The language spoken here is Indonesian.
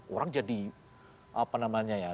orang jadi apa namanya ya